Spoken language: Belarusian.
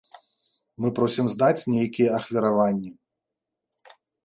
Мы просім здаць нейкія ахвяраванні.